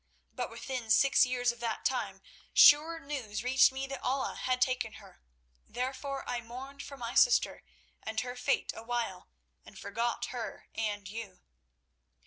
But within six years of that time sure news reached me that Allah had taken her, therefore I mourned for my sister and her fate awhile, and forgot her and you.